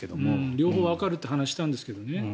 両方わかるという話をしたんですけどね。